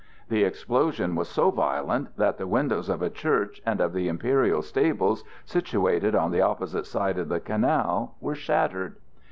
The explosion was so violent that the windows of a church and of the imperial stables situated on the opposite side of the Canal were shattered.